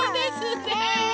ねえ！